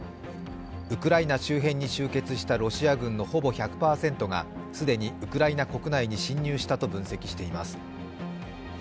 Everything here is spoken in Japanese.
ウクライナ周辺に集結したロシア軍のほぼ１００％が既にウクライナ国内に侵入したと分析しています。